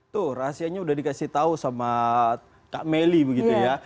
tuh rahasianya udah dikasih tau sama kak melly begitu ya